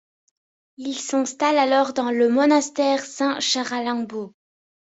Il s’installe alors dans le monastère Saint-Charalambos.